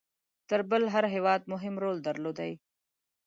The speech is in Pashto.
تر بل هر هیواد مهم رول درلودی.